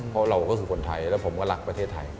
เพราะเราก็คือคนไทยแล้วผมก็รักประเทศไทย